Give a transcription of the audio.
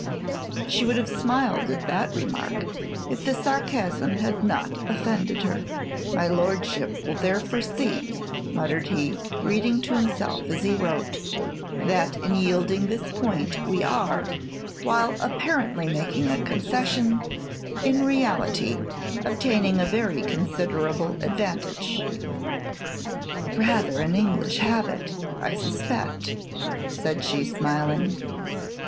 She would have smiled at the remark, if the sarcasm had not offended her. "Your Lordship will therefore see," muttered he, reading to himself as he wrote, "that in yielding this point we are, while apparently making a concession, in reality obtaining a very considerable advantage " "Rather an English habit, I suspect," said she, smiling.